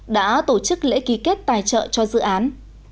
đã tổ chức lễ ký kết tài trợ cho dự án